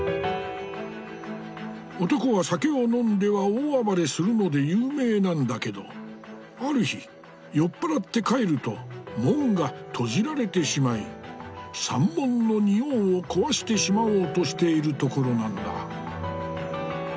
男は酒を飲んでは大暴れするので有名なんだけどある日酔っ払って帰ると門が閉じられてしまい山門の仁王を壊してしまおうとしているところなんだ。